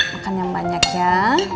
makan yang banyak ya